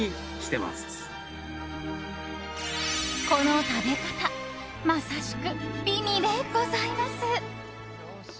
この食べ方まさしく美味でございます。